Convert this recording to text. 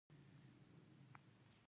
چنار څومره لوی کیدی شي؟